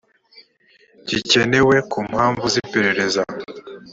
gikenewe ku mpamvu z iperereza